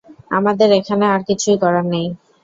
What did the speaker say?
আমাদের এখানে আর কিছুই করার নেই!